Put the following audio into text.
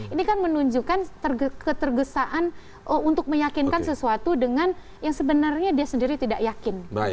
ini kan menunjukkan ketergesaan untuk meyakinkan sesuatu dengan yang sebenarnya dia sendiri tidak yakin